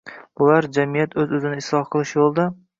– bular jamiyat o‘z-o‘zini isloh qilish yo‘lida